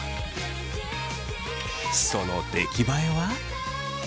その出来栄えは？